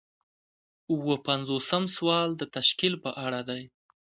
اووه پنځوسم سوال د تشکیل په اړه دی.